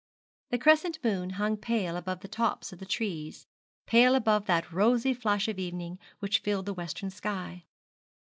The crescent moon hung pale above the tops of the trees, pale above that rosy flush of evening which filled the western sky.